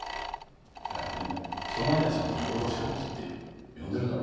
でも人前ではちゃんと諸星判事って呼んでるだろ。